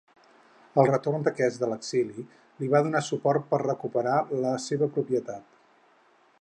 Al retorn d'aquest de l'exili li va donar suport per recuperar la seva propietat.